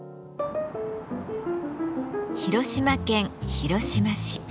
広島県広島市。